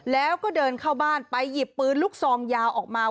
แล้วก็เดินเข้าบ้านไปหยิบปืนลูกซองยาวออกมา